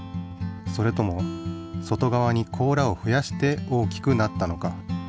それとも外側に甲羅をふやして大きくなったのか？